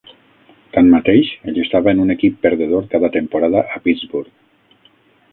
Tanmateix, ell estava en un equip perdedor cada temporada a Pittsburgh.